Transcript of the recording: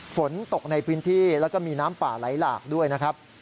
ฝนตกในพื้นที่แล้วก็มีน้ำป่าไหลหลากด้วยนะครับ